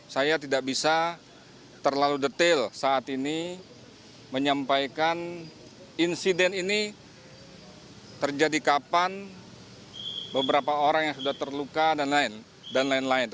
saya tidak bisa terlalu detail saat ini menyampaikan insiden ini terjadi kapan beberapa orang yang sudah terluka dan lain lain